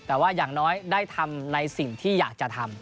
แต่ว่าอย่างน้อยได้ทำในสิ่งที่อยากจะทำ